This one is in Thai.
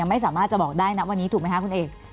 ไม่สามารถจะบอกได้นะวันนี้ถูกไหมคะคุณเอก